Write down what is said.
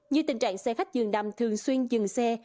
như tình trạng xe khách dường nằm thường xuyên dừng xe